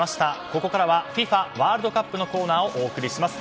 ここからはＦＩＦＡワールドカップのコーナーをお送りします。